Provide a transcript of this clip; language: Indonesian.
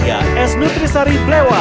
ya es nutrisari blewa